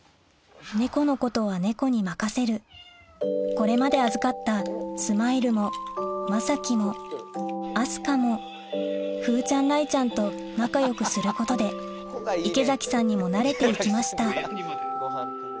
猫のことは猫に任せるこれまで預かったスマイルもまさきも明日香も風ちゃん雷ちゃんと仲よくすることで池崎さんにもなれて行きました